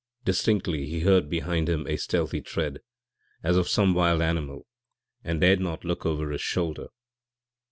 Distinctly he heard behind him a stealthy tread, as of some wild animal, and dared not look over his shoulder.